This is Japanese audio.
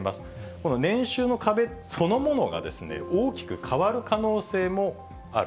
この年収の壁そのものが大きく変わる可能性もある。